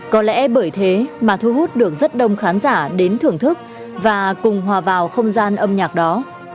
có lẽ bởi thế mà thu hút được rất đông khán giả đến thưởng thức và cùng hòa vào không gian âm nhạc đó